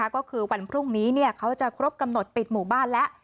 ก็คือวันพรุ่งนี้เขาจะครบกำหนดปิดหมู่บ้านแล้ว